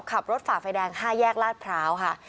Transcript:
ขับรถฝาไฟแดง๕แยกราดเพราค่ะ